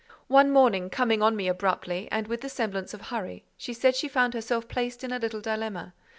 One morning, coming on me abruptly, and with the semblance of hurry, she said she found herself placed in a little dilemma.